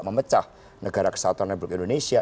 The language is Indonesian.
memecah negara kesatuan republik indonesia